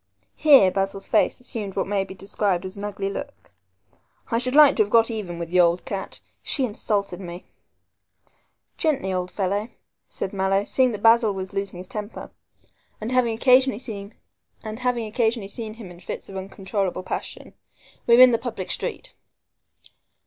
Here Basil's face assumed what may be described as an ugly look. "I should like to have got even with the old cat. She insulted me." "Gently, old fellow," said Mallow, seeing that Basil was losing his temper, and having occasionally seen him in fits of uncontrollable passion, "we're in the public street."